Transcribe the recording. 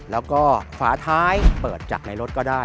แล้วก็ฝาท้ายเปิดจากในรถก็ได้